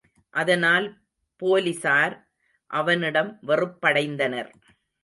அதனால் போலிஸார் அவனிடம் வெறுப்படைந்தனர்.